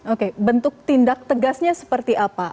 oke bentuk tindak tegasnya seperti apa